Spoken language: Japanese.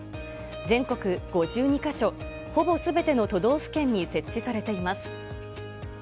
全国５２か所、ほぼすべての都道府県に設置されています。